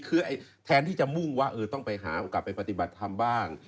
คือแทนที่จะมุ่งว่าต้องไปหาโอกาสไปปฏิบัติธรรมบ้าง